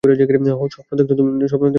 স্বপ্ন দেখছ তুমি।